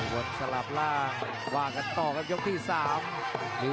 มอนกันหลักสวยจริงครับทีมอีกที